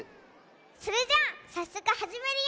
それじゃあさっそくはじめるよ！